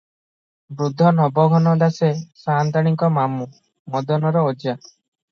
ବୃଦ୍ଧ ନବଘନ ଦାସେ ସାନ୍ତାଣୀଙ୍କ ମାମୁ, ମଦନର ଅଜା ।